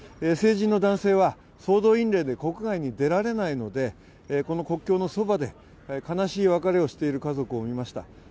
成人の男性は総動員令で国外に出られないので、この国境のそばで悲しい別れをしている家族を見ました。